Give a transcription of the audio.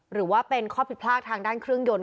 หรือว่าเป็นข้อผิดพลาดทางด้านเครื่องยนต